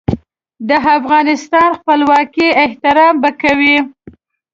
د افغانستان خپلواکۍ احترام به کوي.